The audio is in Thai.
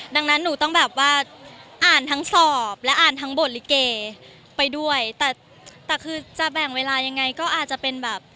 ดังนั้นหนูต้องแบบว่าอ่านทั้งสอบและอ่านทั้งบทลิเกไปด้วยแต่แต่คือจะแบ่งเวลายังไงก็อาจจะเป็นแบบ